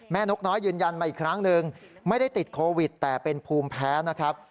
นกน้อยยืนยันมาอีกครั้งหนึ่งไม่ได้ติดโควิดแต่เป็นภูมิแพ้นะครับ